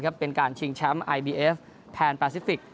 การถึงแชมป์ไอบีเอฟแผนพาซิฟิก